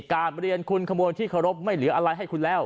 การเรียนคุณขโมยที่เคารพไม่เหลืออะไรให้คุณแล้ว